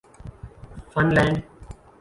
fun land